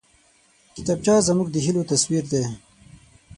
کتابچه زموږ د هيلو تصویر دی